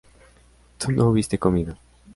tú no hubiste comido